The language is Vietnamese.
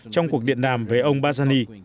trong cuộc điện đàm với ông barzani